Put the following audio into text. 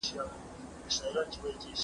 چې دا لاره تر پایه ووهو.